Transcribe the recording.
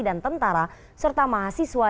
dan tentara serta mahasiswa